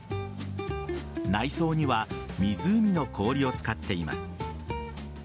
内装には湖の氷を使っています。